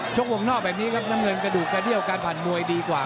วงนอกแบบนี้ครับน้ำเงินกระดูกกระเดี้ยวการผ่านมวยดีกว่า